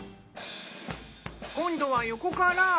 今度は横から。